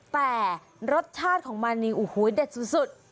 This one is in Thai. แต่รสชาติของมันนี่โอ้โหเด็ดสุด